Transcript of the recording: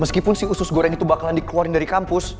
meskipun si usus goreng itu bakalan dikeluarin dari kampus